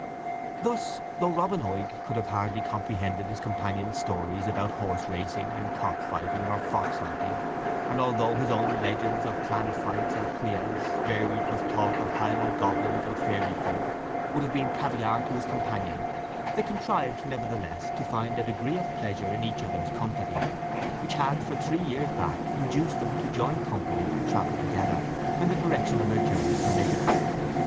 Thus, though Robin could hardly have comprehended his companion's stories about horse racing, and cock fighting, or fox hunting, and although his own legends of clan fights and creaghs, varied with talk of Highland goblins and fairy folk, would have been caviare to his companion, they contrived nevertheless to find a degree of pleasure in each other's company, which had for three years back induced them to join company and travel together, when the direction of their journey permitted.